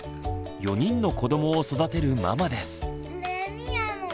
４人の子どもを育てるママです。